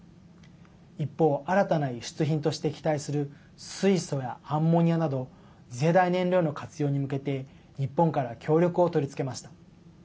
一方、新たな輸出品として期待する水素やアンモニアなど次世代燃料の活用に向けて日本から協力を取り付けました。